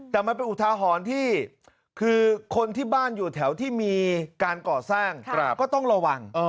แต่มันเป็นอุทาหรณ์ที่คือคนที่บ้านอยู่แถวที่มีการก่อสร้างก็ต้องระวัง